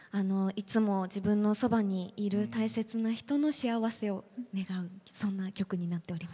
いつも自分のそばにいる大切な人の幸せを願うそんな曲になっております。